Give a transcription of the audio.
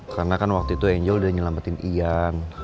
karena kan waktu itu angel udah nyelametin ian